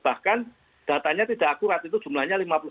bahkan datanya tidak akurat itu jumlahnya lima puluh enam